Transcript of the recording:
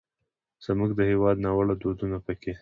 زموږ د هېواد ناوړه دودونه پکې